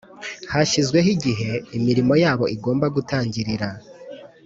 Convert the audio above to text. hashyizweho igihe imirimo yabo igomba gutangirira